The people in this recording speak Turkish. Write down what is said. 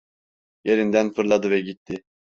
Yerinden fırladı ve gitti.